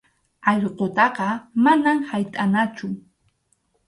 Allqutaqa manam haytʼanachu.